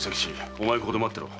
お前はここで待ってろ。